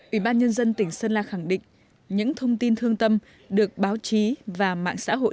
ủy ban nhân dân tỉnh sơn la khẳng định những thông tin thương tâm được báo chí và mạng xã hội